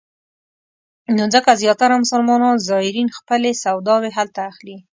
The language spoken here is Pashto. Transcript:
نو ځکه زیاتره مسلمان زایرین خپلې سوداوې هلته اخلي.